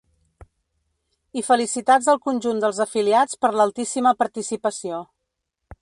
I felicitats al conjunt dels afiliats per l’altíssima participació.